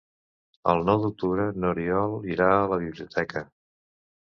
El nou d'octubre n'Oriol irà a la biblioteca.